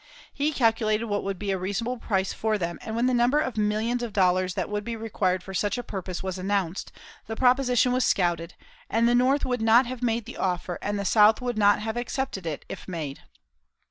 He calculated what would be a reasonable price for them, and when the number of millions of dollars that would be required for such a purpose was announced the proposition was scouted, and the North would not have made the offer, and the South would not have accepted it, if made.